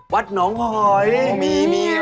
วัดหนองหอยมี